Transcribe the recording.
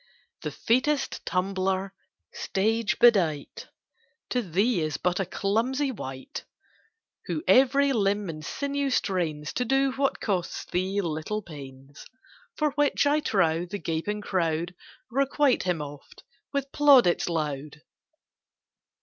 The featest tumbler, stage bedight, To thee is but a clumsy wight, Who every limb and sinew strains To do what costs thee little pains; For which, I trow, the gaping crowd Requite him oft with plaudits loud.